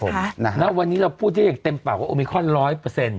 แล้ววันนี้เราพูดได้อย่างเต็มปากว่าโอมิคอนร้อยเปอร์เซ็นต